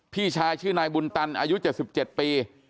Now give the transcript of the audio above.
พี่ชายชื่อนายบุญตันอายุ๗๗ปี